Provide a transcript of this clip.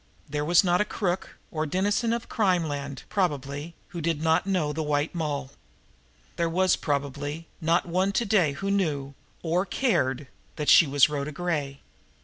There was not a crook or denizen of crimeland, probably, who did not know the White Moll; there was, probably, not one to day who knew, or cared, that she was Rhoda Gray!